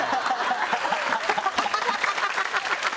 ハハハハ！